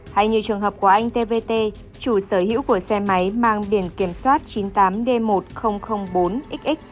hay như trường hợp của anh tvt chủ sở hữu của xe máy mang biển kiểm soát chín mươi tám d một nghìn bốn xx